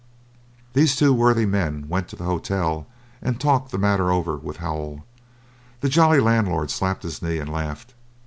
These two worthy men went to the Hotel and talked the matter over with Howell. The jolly landlord slapped his knee and laughed.